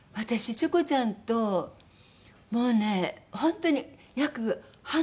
チョコちゃんともうね本当に約半年ですね。